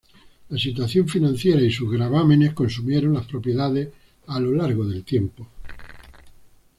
La situación financiera y sus gravámenes consumieron las propiedades a lo largo del tiempo.